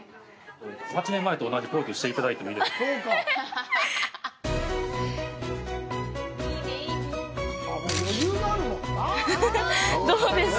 ８年前と同じポーズしていただいてもいいですか？